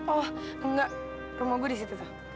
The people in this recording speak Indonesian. oh enggak rumah gue di situ